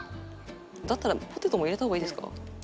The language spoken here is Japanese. だったらポテトも入れた方がいいですか？